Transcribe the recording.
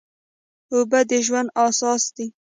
اوبه د ژوند اساس دي.